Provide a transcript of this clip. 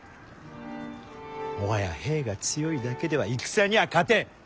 もはや兵が強いだけでは戦にゃあ勝てん！